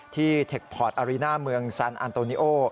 เทคพอร์ตอารีน่าเมืองซานอันโตนิโอ